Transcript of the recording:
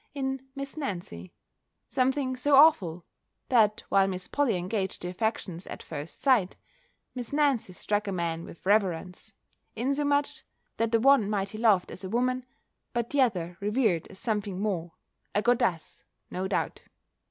in Miss Nancy, something so awful; that while Miss Polly engaged the affections at first sight, Miss Nancy struck a man with reverence; insomuch, that the one might he loved as a woman, but the other revered as something more: a goddess, no doubt!